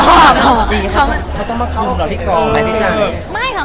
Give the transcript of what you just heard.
เขาต้องมาคุมเราที่กรแผ่นเจ้าเลย